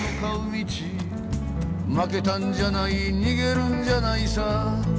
「負けたんじゃない逃げるんじゃないさ」